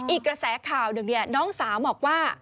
อีกกระแสข่าวหนึ่งน้องสาวบอกว่า